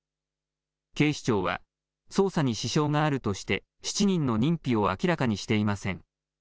警視庁は捜査に支障があるとして７人の認否を明らかにしていません。